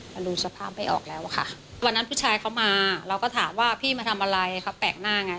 มันดูสภาพไม่ออกแล้วค่ะวันนั้นผู้ชายเขามาเราก็ถามว่าพี่มาทำอะไรเขาแปลกหน้าไง